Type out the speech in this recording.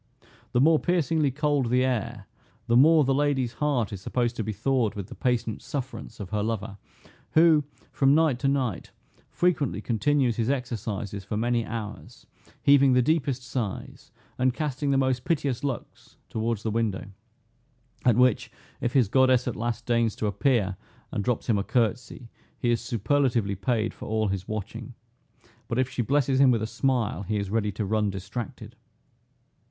The more piercingly cold the air, the more the lady's heart is supposed to be thawed with the patient sufferance of her lover, who, from night to night, frequently continues his exercises for many hours, heaving the deepest sighs, and casting the most piteous looks towards the window; at which if his goddess at last deigns to appear, and drops him a curtsey, he is superlatively paid for all his watching; but if she blesses him with a smile, he is ready to run distracted.